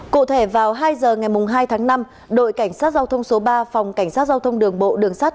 cụ thể vào hai giờ ngày hai tháng năm đội cảnh sát giao thông số ba phòng cảnh sát giao thông đường bộ đường sát